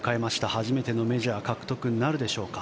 初めてのメジャー獲得となるでしょうか。